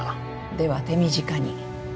では手短に。